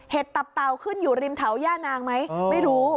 ตับเต่าขึ้นอยู่ริมแถวย่านางไหมไม่รู้